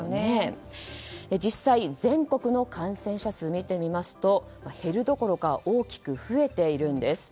実際、全国の感染者数を見てみますと減るどころか大きく増えているんです。